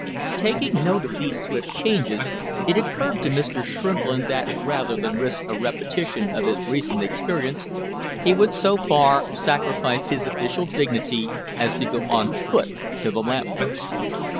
Taking note of these swift changes, it occurred to Mr. Shrimplin that rather than risk a repetition of his recent experience he would so far sacrifice his official dignity as to go on foot to the lamp post.